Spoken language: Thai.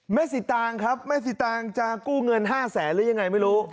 สีตางครับแม่สิตางจะกู้เงิน๕แสนหรือยังไงไม่รู้